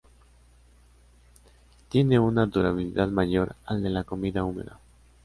Tiene una durabilidad mayor al de la comida húmeda.